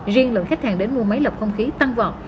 riêng lượng khách hàng đến mua máy lọc không khí tăng vọt